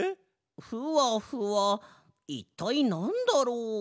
ふわふわいったいなんだろう？